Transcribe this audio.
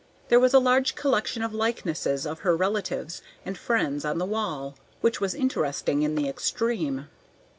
There was a large collection of likenesses of her relatives and friends on the wall, which was interesting in the extreme.